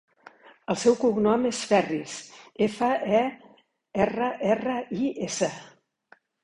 El seu cognom és Ferris: efa, e, erra, erra, i, essa.